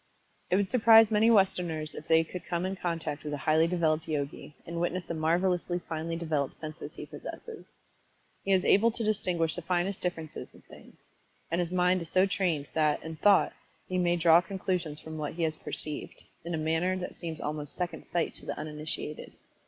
It would surprise many Westerners if they could come in contact with a highly developed Yogi, and witness the marvelously finely developed senses he possesses. He is able to distinguish the finest differences in things, and his mind is so trained that, in thought, he may draw conclusions from what he has perceived, in a manner that seems almost "second sight" to the uninitiated.